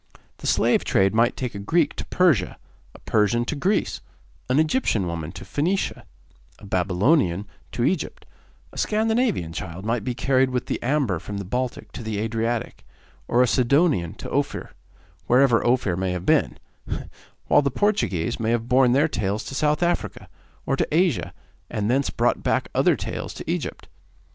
The slave trade might take a Greek to Persia, a Persian to Greece; an Egyptian woman to Phoenicia; a Babylonian to Egypt; a Scandinavian child might be carried with the amber from the Baltic to the Adriatic; or a Sidonian to Ophir, wherever Ophir may have been; while the Portuguese may have borne their tales to South Africa, or to Asia, and thence brought back other tales to Egypt.